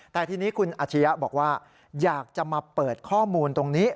แต่ทีนี้คุณอาชียะบอกว่าอยากจะมาเปิดข้อมูลตรงนี้